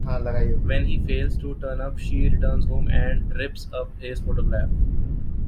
When he fails to turn up she returns home and rips up his photograph.